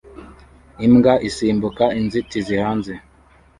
Imbwa isimbuka inzitizi hanze